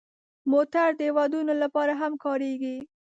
موټر د ودونو لپاره هم کارېږي.